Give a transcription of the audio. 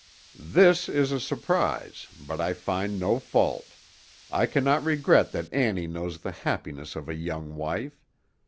This is a surprise, but I find no fault; I cannot regret that Annie knows the happiness of a young wife.